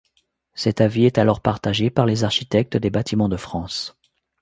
Cet avis est alors partagé par les architectes des bâtiments de France.